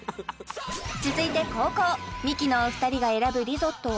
続いて後攻ミキのお二人が選ぶリゾットは？